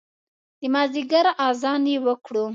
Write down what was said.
د مازدیګر اذان یې وکړو